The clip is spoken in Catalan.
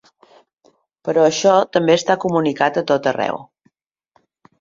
Però això també està comunicat a tot arreu.